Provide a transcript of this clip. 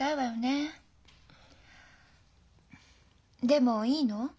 でもいいの？